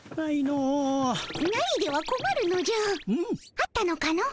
あったのかの？